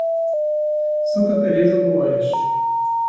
Santa Tereza do Oeste